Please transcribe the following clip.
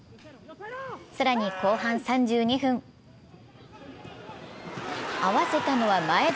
更に後半３２分、合わせたのは眞栄田。